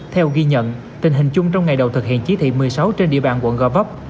theo ghi nhận tình hình chung trong ngày đầu thực hiện chỉ thị một mươi sáu trên địa bàn quận gò vấp